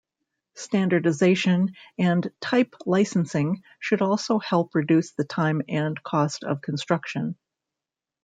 Standardization and type-licensing should also help reduce the time and cost of construction.